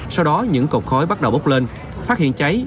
sau đó những cột khói bắt đầu bốc lên phát hiện cháy